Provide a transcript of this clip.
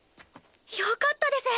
よかったです。